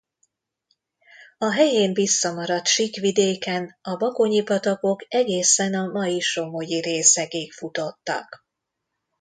A helyén visszamaradt sík vidéken a bakonyi patakok egészen a mai somogyi részekig futottak.